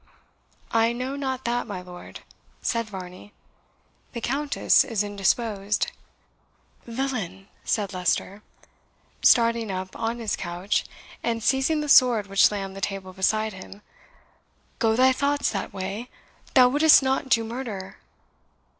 "I know not that, my lord," said Varney; "the Countess is indisposed." "Villain!" said Leicester, starting up on his couch, and seizing the sword which lay on the table beside him, "go thy thoughts that way? thou wouldst not do murder?"